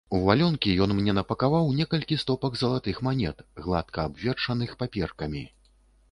У валёнкі ён мне напакаваў некалькі стопак залатых манет, гладка абверчаных паперкамі.